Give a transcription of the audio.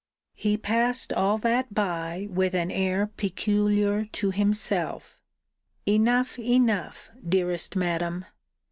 He passed all that by with an air peculiar to himself Enough, enough, dearest Madam!